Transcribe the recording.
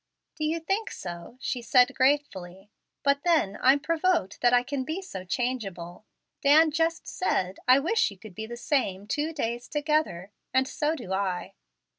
"Do you think so?" she said gratefully. "But then I'm provoked that I can be so changeable. Dan just said, 'I wish you could be the same two days together,' and so do I."